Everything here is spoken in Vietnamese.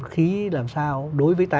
khí làm sao đối với